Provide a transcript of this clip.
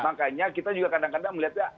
makanya kita juga kadang kadang melihatnya